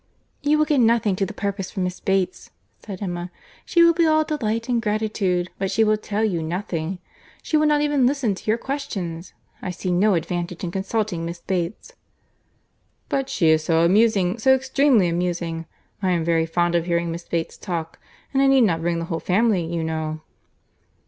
"You will get nothing to the purpose from Miss Bates," said Emma. "She will be all delight and gratitude, but she will tell you nothing. She will not even listen to your questions. I see no advantage in consulting Miss Bates." "But she is so amusing, so extremely amusing! I am very fond of hearing Miss Bates talk. And I need not bring the whole family, you know."